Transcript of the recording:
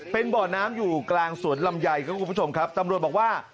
เป็นบ่อน้ำอยู่กลางสวนลำไยครับคุณผู้ชมครับตำรวจบอกว่า